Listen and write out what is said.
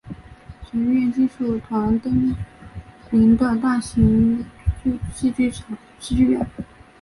神韵艺术团登临的大型戏剧院。